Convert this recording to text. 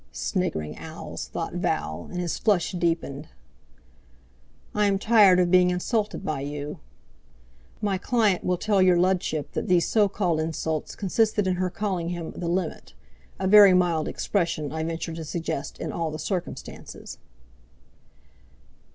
"Sniggering owls!" thought Val, and his flush deepened. "'I am tired of being insulted by you.' My client will tell your Ludship that these so called insults consisted in her calling him 'the limit',—a very mild expression, I venture to suggest, in all the circumstances."